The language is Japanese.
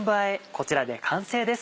こちらで完成です。